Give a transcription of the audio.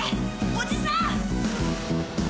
おじさん！